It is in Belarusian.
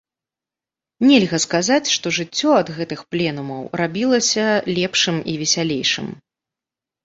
Нельга сказаць, што жыццё ад гэтых пленумаў рабілася лепшым і весялейшым.